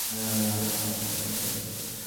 শরীর গরম হয়ে, হাত পা অবস হয়ে আসে।